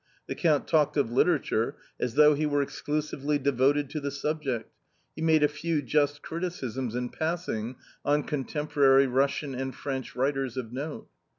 The Count talked of literature as though he were exclusively devoted to the subject ; he made a few just criticisms in passing on contemporary Russian and French writers of note.